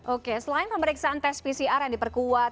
oke selain pemeriksaan tes pcr yang diperkuat